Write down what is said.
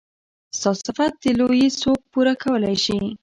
ستا صفت د لويي څوک پوره کولی شي.